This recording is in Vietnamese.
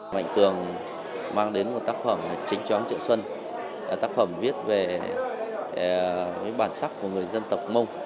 mạnh cường mang đến một tác phẩm chính choãng triệu xuân tác phẩm viết về bản sắc của người dân tộc mông